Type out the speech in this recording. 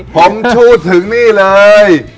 หอมชูถึงนี่เลย